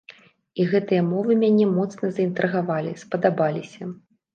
І гэтыя мовы мяне моцна заінтрыгавалі, спадабаліся.